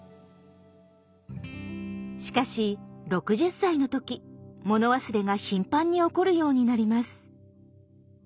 しかし６０歳の時物忘れが頻繁に起こるようになります。